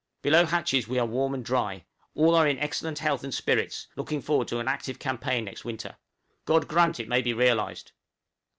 Below hatches we are warm and dry; all are in excellent health and spirits, looking forward to an active campaign next winter. God grant it may be realized!